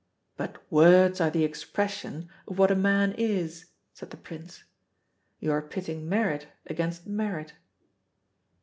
"But words are the expression of what a man is," said the Prince. "You are pitting merit against merit."